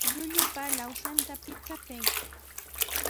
Llullupa lawsanta pichapay.